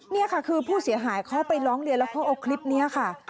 นี่ค่ะคือผู้เสียหายเขาไปร้องเรียนแล้วเขาเอาคลิปนี้ค่ะ